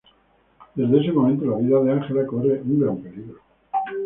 Desde ese momento la vida de Angela corre un gran peligro.